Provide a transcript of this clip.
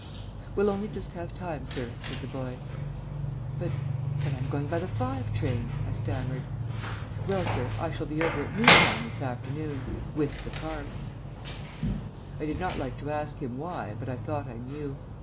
"We'll only just have time, sir," said the boy. "But but I'm going by the five train," I stammered. "Well, sir, I shall be over at Newtown this afternoon with the cart." I did not like to ask him why, but I thought I knew.